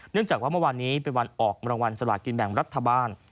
จากว่าเมื่อวานนี้เป็นวันออกรางวัลสลากินแบ่งรัฐบาล